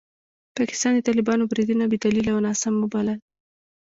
پاکستان د طالبانو بریدونه بې دلیله او ناسم وبلل.